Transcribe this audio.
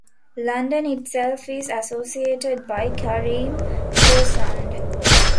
London itself is associated by Karim to a sound.